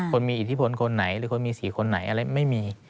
คนมีอิทธิพลคนไหนหรือคนมี๔คนไหนอะไรไม่มี